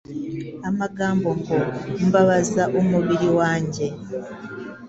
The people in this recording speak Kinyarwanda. amagambo ngo “mbabaza umubiri wanjye,”